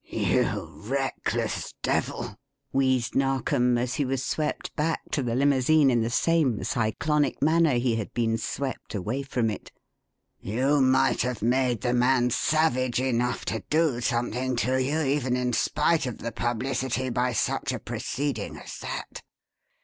"You reckless devil!" wheezed Narkom as he was swept back to the limousine in the same cyclonic manner he had been swept away from it. "You might have made the man savage enough to do something to you, even in spite of the publicity, by such a proceeding as that."